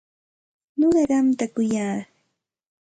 Nuqa qamta kuyaq.